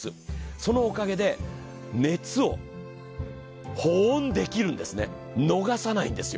そのおかげで熱を保温できるんですね、逃さないんです。